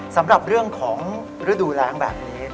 สำหรับเรื่องของฤดูแรงแบบนี้